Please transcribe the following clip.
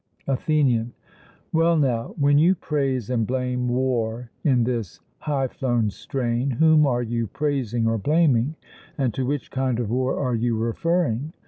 ATHENIAN: Well, now, when you praise and blame war in this high flown strain, whom are you praising or blaming, and to which kind of war are you referring?